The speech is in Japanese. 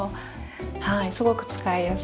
はいすごく使いやすいです。